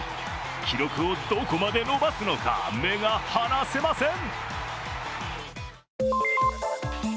記録をどこまで伸ばすのか目が離せません。